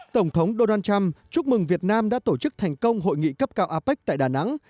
tổng thống donald trump chúc mừng việt nam đã tổ chức thành công hội nghị cấp cao apec tại đà nẵng